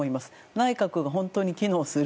内閣が本当に機能する。